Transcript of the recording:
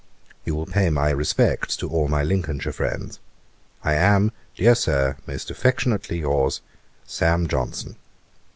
'You will pay my respects to all my Lincolnshire friends. I am, dear Sir, 'Most affectionately your's, 'SAM. JOHNSON.'